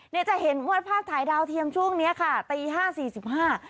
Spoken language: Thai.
จะเห็นว่าภาพถ่ายดาวเทียมช่วงเนี้ยค่ะตีห้าสี่สิบห้า